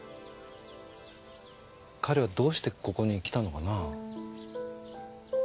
彼はどうしてここに来たのかな？